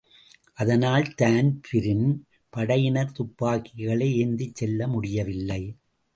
அதனால் தான்பிரீன் படையினர் துப்பாக்கிகளை ஏந்திச் செல்லமுடியவில்லை.